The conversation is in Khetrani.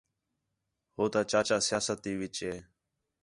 ہو تا چاچا سیاست تی وِچ ہِے